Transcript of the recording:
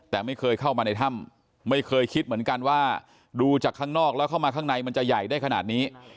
แต่ไม่เคยเข้ามาในถ้ำไม่เคยคิดเหมือนกันว่าดูจากข้างนอกแล้วเข้ามาข้างในมันจะใหญ่ได้ขนาดนี้